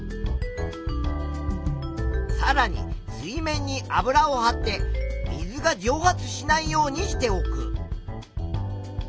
さらに水面に油をはって水がじょう発しないようにしておく。